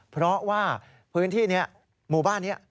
เพราะว่าพื้นที่นี้หมู่บ้านนี้